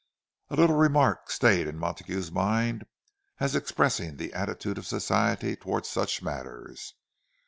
A little remark stayed in Montague's mind as expressing the attitude of Society toward such matters.